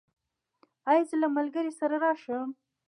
ایا زه له ملګري سره راشم؟